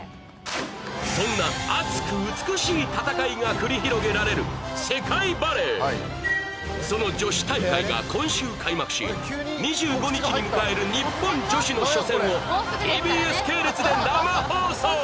そんな熱く美しい戦いが繰り広げられるその女子大会が今週開幕し２５日に迎える日本女子の初戦をＴＢＳ系列で生放送！